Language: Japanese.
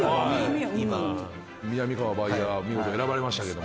みなみかわバイヤー見事選ばれました。